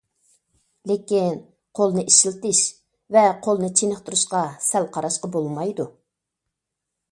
لېكىن، قولنى ئىشلىتىش ۋە قولنى چېنىقتۇرۇشقا سەل قاراشقا بولمايدۇ.